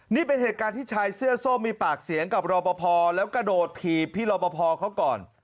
นี่เป็นเหตุการณ์ที่ชายเสื้อส้มมีปากเสียงกับรอปภแล้วกระโดดถีบพี่รอปภเขาก่อน